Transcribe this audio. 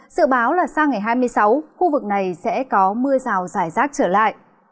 sự báo là sang ngày hai mươi sáu khu vực này sẽ có mưa rào rải rác trở lại